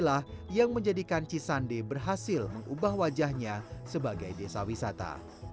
dan juga menjadikan cisande berhasil mengubah wajahnya sebagai desa wisata